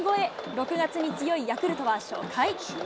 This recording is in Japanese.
６月に強いヤクルトは初回。